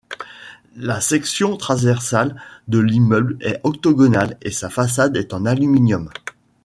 La section transversale de l'immeuble est octogonale et sa façade est en aluminium.